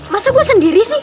masa gue sendiri sih